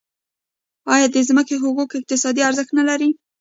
آیا د ځمکې حقوق اقتصادي ارزښت نلري؟